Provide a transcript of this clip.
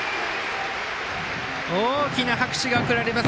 大きな拍手が送られます。